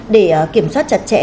để kiểm soát chặt chẽ